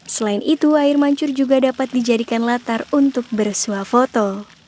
selain itu air mancur juga dapat dijadikan latar untuk bersuah foto